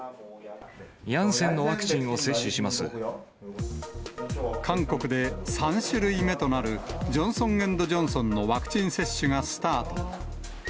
ヤンセンのワクチンを接種し韓国で３種類目となる、ジョンソン・エンド・ジョンソンのワクチン接種がスタート。